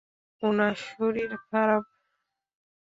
উনার শরীর খারাপ।